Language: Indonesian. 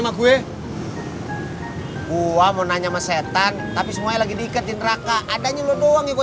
sama gue gua mau nanya sama setan tapi semuanya lagi diikat di neraka adanya lo doang yang gue